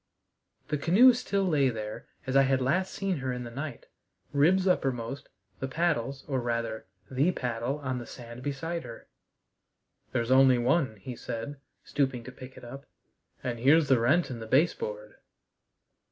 The canoe still lay there as I had last seen her in the night, ribs uppermost, the paddles, or rather, the paddle, on the sand beside her. "There's only one," he said, stooping to pick it up. "And here's the rent in the base board."